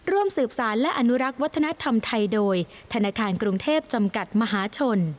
ร่วมสืบสารและอนุรักษ์วัฒนธรรมไทยโดยธนาคารกรุงเทพจำกัดมหาชน